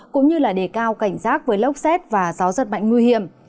cũng như để cao cảnh giác với lốc xét và gió rất mạnh nguy hiểm